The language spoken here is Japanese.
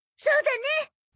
そうだね。